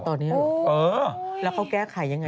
ตอนนี้เหรอเออแล้วเขาแก้ไขยังไง